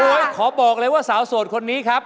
ขอบอกเลยว่าสาวโสดคนนี้ครับ